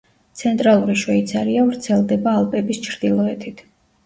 ცენტრალური შვეიცარია ვრცელდება ალპების ჩრდილოეთით.